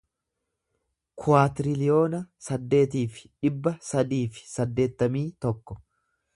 kuwaatiriliyoona saddeetii fi dhibba sadii fi saddeettamii tokko